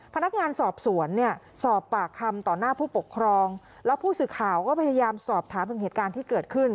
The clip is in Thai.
พนักงานสอบสวนเนี่ยสอบปากคำต่อหน้าผู้ปกครองแล้วผู้สื่อข่าวก็พยายามสอบถามถึงเหตุการณ์ที่เกิดขึ้น